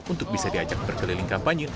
untuk bisa diajak berkeliling kampanye